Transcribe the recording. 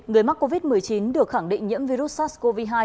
người mắc covid một mươi chín được khẳng định nhiễm virus sars cov hai